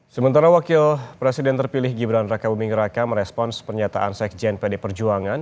sementara wakil presiden terpilih gibran raka buming raka merespons pernyataan sekjen pd perjuangan